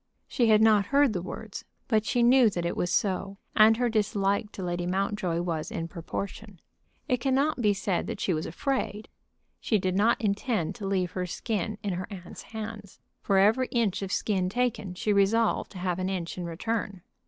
She had not heard the words, but she knew that it was so, and her dislike to Lady Mountjoy was in proportion. It cannot be said that she was afraid. She did not intend to leave her skin in her aunt's hands. For every inch of skin taken she resolved to have an inch in return.